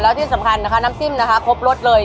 แล้วที่สำคัญนะคะน้ำจิ้มนะคะครบรสเลย